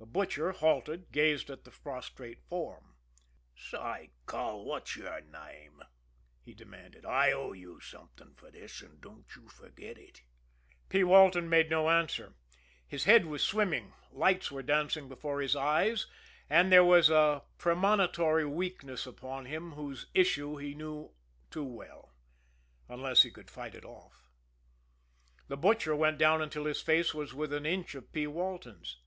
The Butcher, halted, gazed at the prostrate form. "Say, cull, what's yer name?" he demanded. "I owe you something for this, an' don't you forget it." P. Walton made no answer. His head was swimming, lights were dancing before his eyes, and there was a premonitory weakness upon him whose issue he knew too well unless he could fight it off. The Butcher bent down until his face was within an inch of P. Walton's.